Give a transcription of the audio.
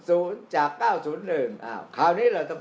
สักเที่ยงครึ่งคือสักเที่ยงครึ่งคือสักเที่ยงครึ่ง